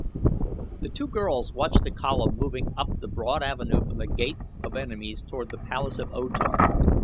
The two girls watched the column moving up the broad avenue from The Gate of Enemies toward the palace of O Tar.